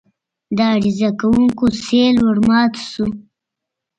د عریضه کوونکو سېل ورمات شو.